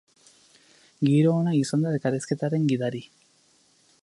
Giro ona izan da elkarrizketaren gidari!